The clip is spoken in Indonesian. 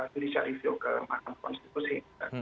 bukan judicial review kemasan konstitusi